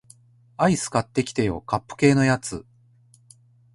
アイス買ってきてよ、カップ系のやつ